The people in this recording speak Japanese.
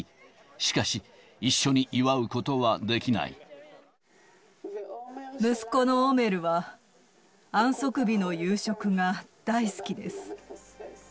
しかし、一緒に祝うことはできな息子のオメルは、安息日の夕食が大好きです。